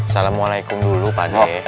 waalaikumsalam dulu padeh